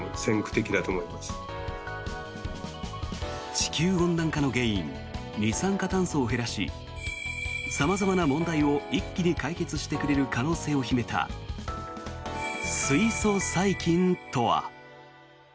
地球温暖化の原因二酸化炭素を減らし様々な問題を一気に解決してくれる可能性を秘めた水素細菌とは。